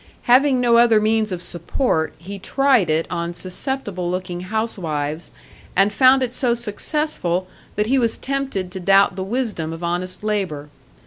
Having no other means of support, he tried it on susceptible looking housewives, and found it so successful that he was tempted to doubt the wisdom of honest labour.